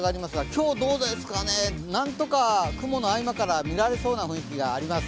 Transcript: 今日、どうですかね、なんとか雲の合間から見られそうな雰囲気があります。